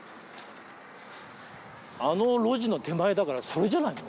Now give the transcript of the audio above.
あの路地の手前だからそれじゃないの？